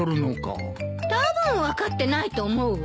たぶん分かってないと思うわ。